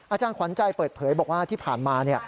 อาจารย์ขวัญใจเปิดเผยบอกว่าที่ผ่านมา